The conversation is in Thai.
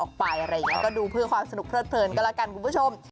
กลัวเดินไม่พ้นปากซอยอ่ะ